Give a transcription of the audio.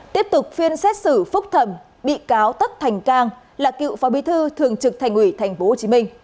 tiếp tục phiên xét xử phúc thẩm bị cáo tất thành cang là cựu phó bí thư thường trực thành ủy tp hcm